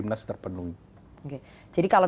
munas terpenuhi jadi kalau